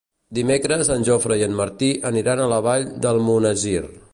Dimecres en Jofre i en Martí aniran a la Vall d'Almonesir.